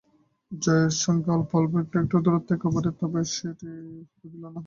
জয়ের সঙ্গে অল্প একটু দূরত্ব এবারের তরে সেটি হতে দিল না।